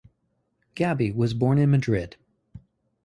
Gabi was born in Madrid.